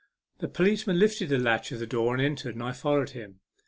The policeman lifted the latch of the door and entered, and I followed him.